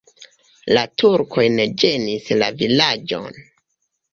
La turkoj ne ĝenis la vilaĝon.